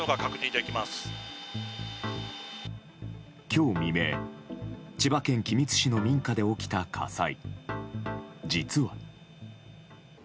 今日未明、千葉県君津市の民家で起きた火災。